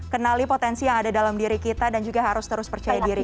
kenali potensi yang ada dalam diri kita dan juga harus terus percaya diri